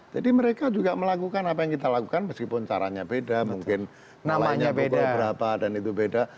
jadi mereka juga melakukan apa yang kita lakukan meskipun caranya beda mungkin namanya berapa dan itu beda